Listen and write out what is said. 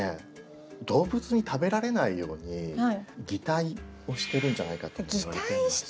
動物に食べられないように擬態をしてるんじゃないかともいわれてまして。